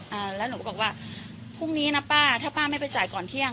อ่าแล้วหนูก็บอกว่าพรุ่งนี้นะป้าถ้าป้าไม่ไปจ่ายก่อนเที่ยง